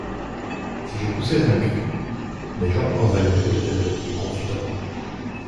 Si je poussais un cri, mes gens envahiraient l'hôtel, dit le confident.